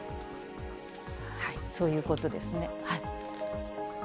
そういうことですね。